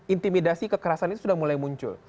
intimidasi kekerasan itu sudah mulai muncul